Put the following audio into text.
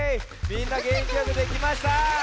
みんなげんきがでてきました。